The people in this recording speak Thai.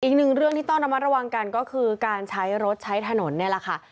อีกหนึ่งเรื่องที่ต้องระมัดระวังกันก็คือการใช้รถใช้ถนนนี่แหละค่ะ